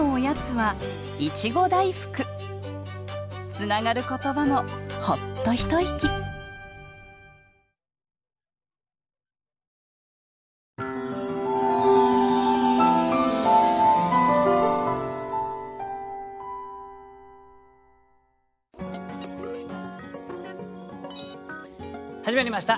つながる言葉もほっと一息始まりました